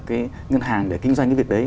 cái ngân hàng để kinh doanh cái việc đấy